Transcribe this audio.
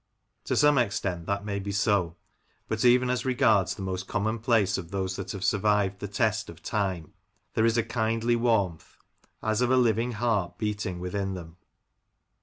To some extent that may be so ; but even as regards the most commonplace of those that have survived the test of time, there is a kindly warmth, as of a living heart beating within them.